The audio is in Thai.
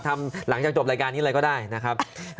หลังจากจบรายการนี้เลยก็ได้นะครับ